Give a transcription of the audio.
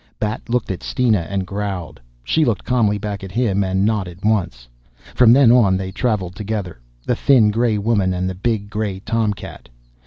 Bat looked at Steena and growled. She looked calmly back at him and nodded once. From then on they traveled together the thin gray woman and the big gray tom cat.